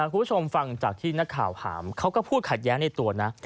คุณผู้ชมฟังจากที่นักข่าวถามเขาก็พูดขัดแย้งในตัวนะ